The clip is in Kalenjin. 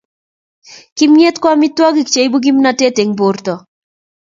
Kimyet ko amitwokik cheibu kimnatet eng borta